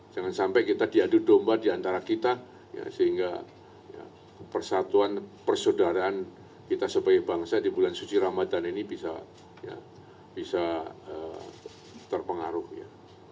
jangan sampai kita diadu domba di antara kita sehingga persatuan persaudaraan kita sebagai bangsa di bulan suci ramadan ini bisa terpengaruh ya